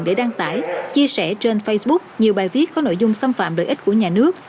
để đăng tải chia sẻ trên facebook nhiều bài viết có nội dung xâm phạm lợi ích của nhà nước